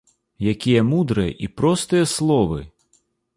Якія мудрыя і простыя словы!